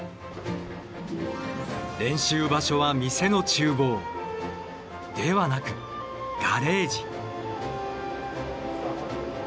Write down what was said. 練習場所は店の厨房ではなくガレージ。